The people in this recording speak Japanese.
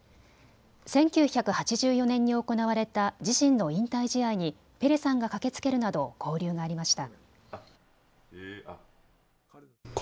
１９８４年に行われた自身の引退試合にペレさんが駆けつけるなど交流がありました。